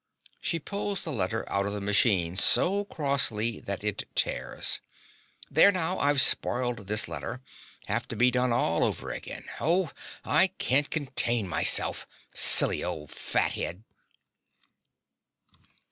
(She pulls the letter out of the machine so crossly that it tears.) There, now I've spoiled this letter have to be done all over again. Oh, I can't contain myself silly old fathead!